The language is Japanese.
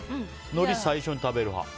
のり、最初に食べる派。